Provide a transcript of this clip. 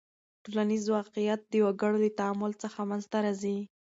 ټولنیز واقعیت د وګړو له تعامل څخه منځ ته راځي.